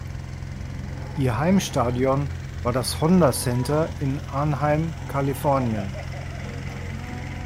Ihr Heimstadion war das Honda Center in Anaheim, Kalifornien.